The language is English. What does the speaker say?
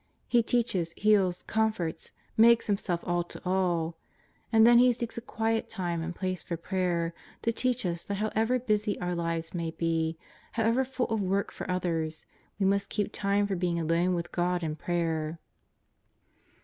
He teaches, heals, comforts, makes Him self all to all. And then He seeks a quiet time and place for prayer, to teach us that however busy our lives may be, however full of work for others, we must keep time for being alone with God in prayer.